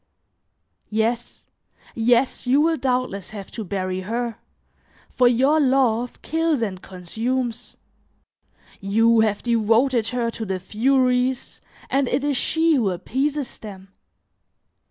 Yes, yes, you will doubtless have to bury her, for your love kills and consumes; you have devoted her to the furies and it is she who appeases them.